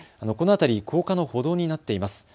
この辺り高架の歩道になっています。